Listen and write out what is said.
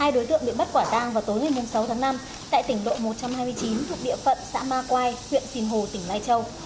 hai đối tượng bị bắt quả tang vào tối một mươi sáu tháng năm tại tỉnh độ một trăm hai mươi chín thuộc địa phận xã ma quai huyện xìn hồ tỉnh lai châu